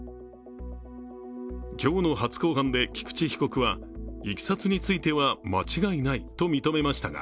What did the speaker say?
今日の初公判で菊池被告は、いきさつについては間違いないと認めましたが